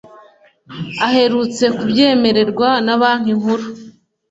aherutse kubyemererwa na banki nkuru